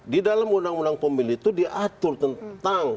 di dalam undang undang pemilu itu diatur tentang